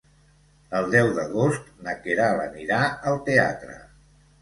El deu d'agost na Queralt anirà al teatre.